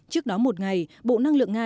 trước đó một ngày bộ năng lượng nga